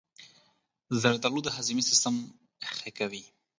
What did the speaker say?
زردآلو د هاضمې سیستم ښه کوي.